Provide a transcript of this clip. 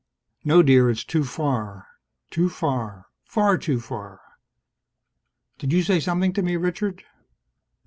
"No, dear. It's too far." Too far. Far too far. "Did you say something to me, Richard?" "No.